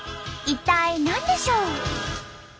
一体何でしょう？